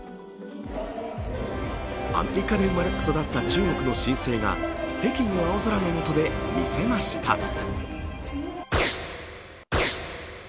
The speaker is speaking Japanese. アメリカで生まれ育った中国の選手が北京の青空の下で見せました。